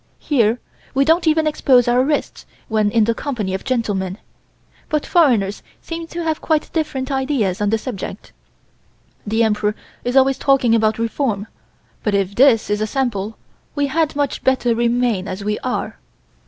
Here we don't even expose our wrists when in the company of gentlemen, but foreigners seem to have quite different ideas on the subject. The Emperor is always talking about reform, but if this is a sample we had much better remain as we are.